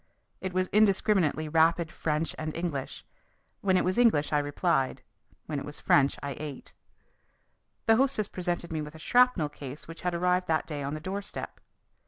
It was indiscriminately rapid French and English. When it was English I replied. When it was French I ate. The hostess presented me with a shrapnel case which had arrived that day on the doorstep.